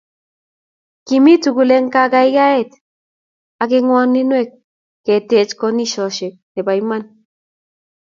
kimii tugul eng kagaigaet ak eng ngwoninweek , keteeche koshinet nebo iman